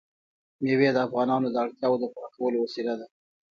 مېوې د افغانانو د اړتیاوو د پوره کولو وسیله ده.